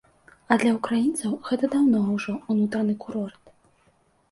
А для ўкраінцаў гэта даўно ўжо ўнутраны курорт.